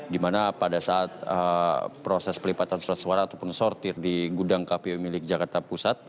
di mana pada saat proses pelipatan surat suara ataupun sortir di gudang kpu milik jakarta pusat